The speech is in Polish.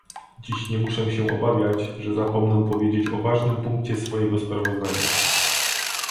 Dziś nie muszę się obawiać, że zapomnę powiedzieć o ważnym punkcie swojego sprawozdania